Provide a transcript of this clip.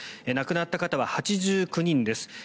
亡くなった方は８９人です。